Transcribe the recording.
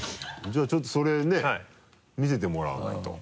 じゃあちょっとそれね見せてもらわないと。